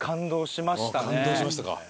感動しましたか。